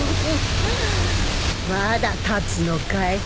まだ立つのかい？